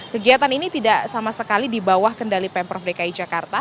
kegiatan ini tidak sama sekali di bawah kendali pemprov dki jakarta